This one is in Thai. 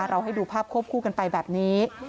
ให้ดูภาพควบคู่กันไปแบบนี้